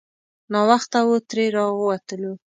ناوخته وو ترې راووتلو.